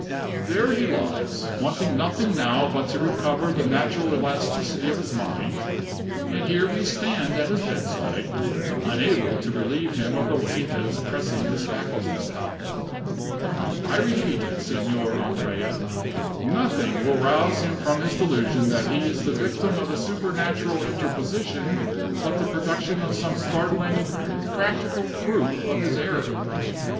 "There he lies, wanting nothing now but to recover the natural elasticity of his mind; and here we stand at his bedside, unable to relieve him of the weight that is pressing his faculties down. I repeat it, Signor Andrea, nothing will rouse him from his delusion that he is the victim of a supernatural interposition but the production of some startling, practical proof of his error.